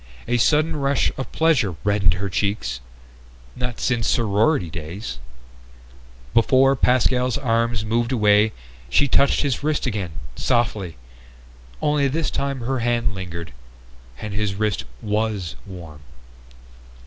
A sudden rush of pleasure reddened her cheeks. Not since sorority days ... Before Pascal's arms moved away she touched his wrist again, softly, only this time her hand lingered. And his wrist was warm!